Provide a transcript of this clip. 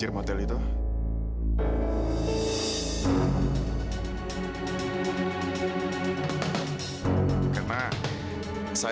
wright berpikir itu salah